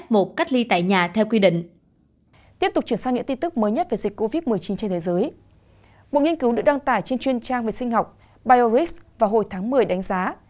một nghiên cứu được đăng tải trên truyền trang vệ sinh học biorisk vào hồi tháng một mươi đánh giá